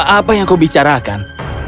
apa yang kau bicarakan